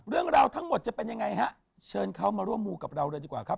เรื่องราวทั้งหมดจะเป็นยังไงฮะเชิญเขามาร่วมมูกับเราเลยดีกว่าครับ